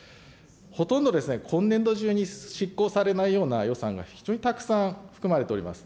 ほとんど今年度中に執行されないような予算が非常にたくさん含まれております。